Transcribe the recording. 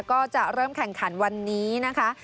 ก็จะเริ่มแข่งขันวันนี้นะคะ